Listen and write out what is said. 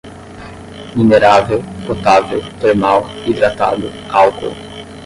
minerável, potável, termal, hidratado, álcool